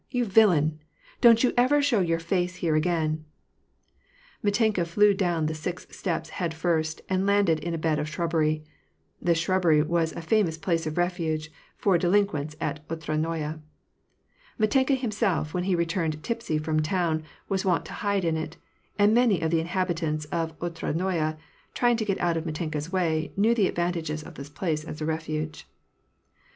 you villain ? Don't you ever show your face here again !" Mitenka flew down the six steps head first, and landed in a bed of shrubbery. This shrubbery was a famous place of refuge for delinquents at Otradnoye. Mitenka himself, when he returned tipsy from town, was wont to hide in it ; and many of the in habitants of Otradnoye, trying to get out of Mitenka's way, knew the advantages of this place as a refuge.